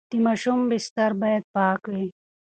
د ماشوم بستر باید پاک وي.